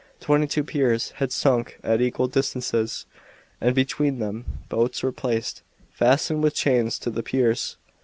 Twenty two piers had been sunk at equal distances, and between them boats were placed, fastened with chains to the piers.